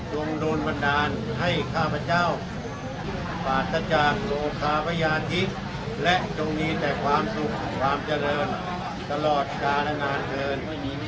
โดนบันดาลให้ข้าพเจ้าปราธจากโลกาพญาธิและจงมีแต่ความสุขความเจริญตลอดการรายงานเทิน